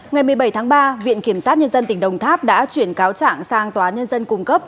ngày một mươi bảy tháng ba viện kiểm sát nhân dân tỉnh đồng tháp đã chuyển cáo trạng sang tòa nhân dân cung cấp